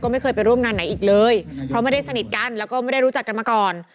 ไม่เคยไปร่วมงานไหนอีกเลยเพราะไม่ได้สนิทกันแล้วก็ไม่ได้รู้จักกันมาก่อน